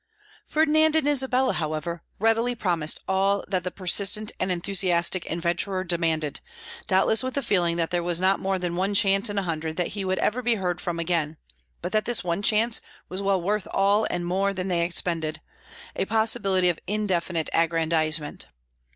Ferdinand and Isabella, however, readily promised all that the persistent and enthusiastic adventurer demanded, doubtless with the feeling that there was not more than one chance in a hundred that he would ever be heard from again, but that this one chance was well worth all and more than they expended, a possibility of indefinite aggrandizement.